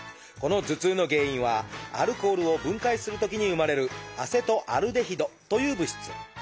この頭痛の原因はアルコールを分解するときに生まれる「アセトアルデヒド」という物質。